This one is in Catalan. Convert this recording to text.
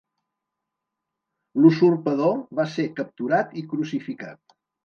L'usurpador va ser capturat i crucificat.